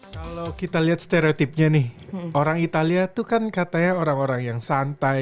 kalau kita lihat stereotipnya nih orang italia itu kan katanya orang orang yang santai